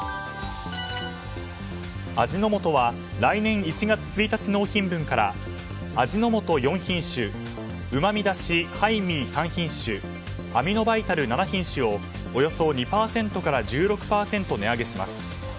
味の素は来年１月１日納品分から味の素４品種うま味だし・ハイミー３品種アミノバイタル７品種をおよそ２％から１６％値上げします。